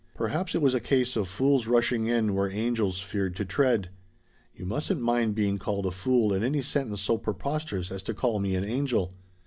Perhaps it was a case of fools rushing in where angels feared to tread. You mustn't mind being called a fool in any sentence so preposterous as to call me an angel.